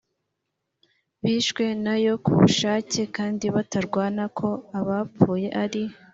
bishwe na yo ku bushake kandi batarwana ko abapfuye ari